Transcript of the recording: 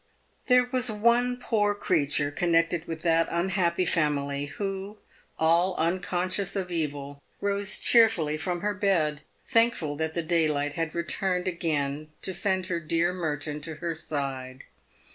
There was one poor creature connected with that unhappy family who, all unconscious of evil, rose cheerfully from her bed, thankful that the daylight had returned again to send her dear Merton to her side.